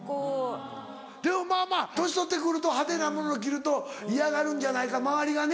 まぁまぁ年取って来ると派手なものを着ると嫌がるんじゃないか周りがね。